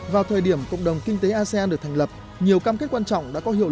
vậy cộng đồng kinh tế asean là gì